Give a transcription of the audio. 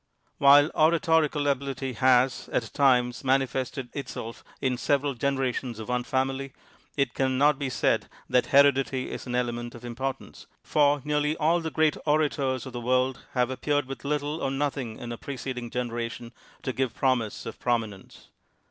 TViiile oratorical ability has, at times, mani fested itself in several generations of one family, it can not be said that heredity is an element of importance, for nearly all the great orators of the world have appeared with little or nothing in a preceding generation to give promise of prominence.